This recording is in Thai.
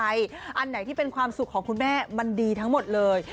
อันไหนที่เป็นความสุขของคุณแม่มันดีทั้งหมดเลย